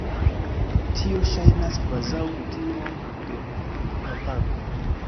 Tio ŝajnas kvazaŭ kutimo de papago.